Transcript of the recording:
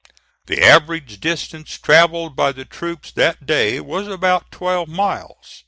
The average distance travelled by the troops that day was about twelve miles.